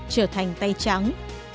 trở thành tay trắng